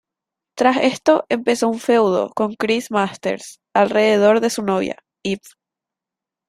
Tras esto, empezó un feudo con Chris Masters alrededor de su novia, Eve.